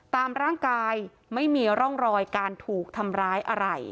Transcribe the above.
ตามร่างกายไม่มีร่องรอยการถูกทำร้ายอะไร